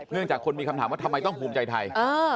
จากคนมีคำถามว่าทำไมต้องภูมิใจไทย